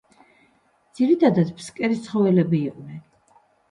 ძირითადად ფსკერის ცხოველები იყვნენ.